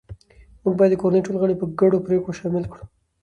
موږ باید د کورنۍ ټول غړي په ګډو پریکړو شامل کړو